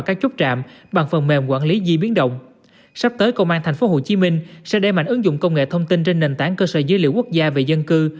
công nghệ thông tin trên nền tảng cơ sở dữ liệu quốc gia về dân cư